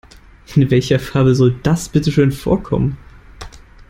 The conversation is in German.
In welcher Fabel soll das bitteschön vorkommen?